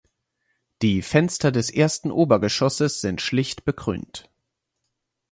Die Fenster des ersten Obergeschosses sind schlicht bekrönt.